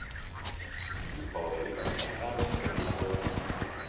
I più poveri parteciparono con il lavoro manuale.